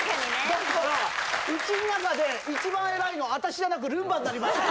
だから家ん中で一番偉いのは私じゃなくルンバになりました。